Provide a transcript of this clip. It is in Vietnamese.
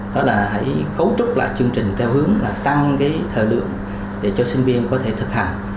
đó là hãy cấu trúc lại chương trình theo hướng là tăng cái thời lượng để cho sinh viên có thể thực hành